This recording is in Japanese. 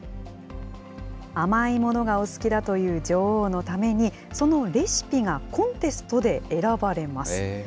甘いものがお好きだという女王のために、そのレシピがコンテストで選ばれます。